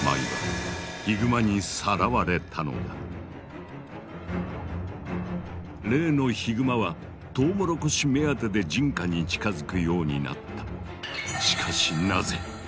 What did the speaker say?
マユは例のヒグマはトウモロコシ目当てで人家に近づくようになった。